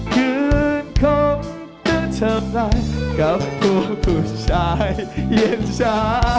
คืนคงจะทำอะไรกับผู้คนชายเย็นชะ